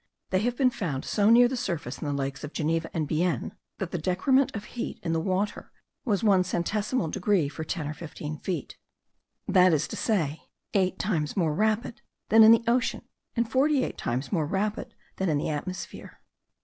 They have been found so near the surface in the lakes of Geneva and Bienne, that the decrement of heat in the water was one centesimal degree for ten or fifteen feet; that is to say, eight times more rapid than in the ocean, and forty eight times more rapid than in the atmosphere.